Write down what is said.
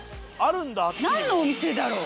何のお店だろう？